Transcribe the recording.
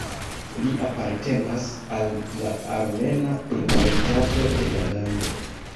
Li apartenas al la armena minoritato de la lando.